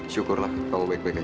syukurlah kamu baik baik aja